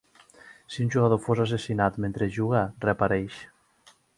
Si un jugador fos assassinat mentre juga, reapareix.